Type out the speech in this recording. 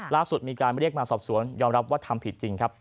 ล่าสุดมีการเรียกมาสอบสวนยอมรับว่าทำผิดจริงครับ